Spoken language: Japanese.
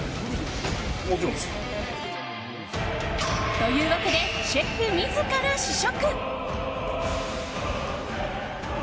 というわけでシェフ自ら試食。